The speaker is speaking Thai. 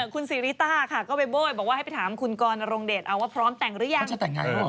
คุณซีริต้าค่ะก็ไปโบ้ยบอกว่าให้ไปถามคุณกรนรงเดชเอาว่าพร้อมแต่งหรือยัง